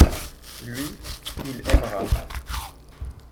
Lui, il aimera.